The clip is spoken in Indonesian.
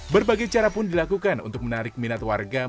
berbagai cara pun dilakukan untuk menarik minat warga